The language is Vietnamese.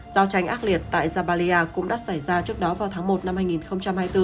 giao tranh ác liệt tại zabalia cũng đã xảy ra trước đó vào tháng một năm hai nghìn hai mươi bốn